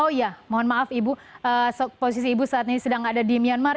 oh iya mohon maaf ibu posisi ibu saat ini sedang ada di myanmar